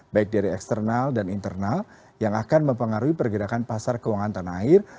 baik dari eksternal dan internal yang akan mempengaruhi pergerakan pasar keuangan tanah air